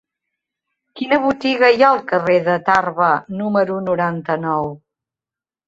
Quina botiga hi ha al carrer de Tarba número noranta-nou?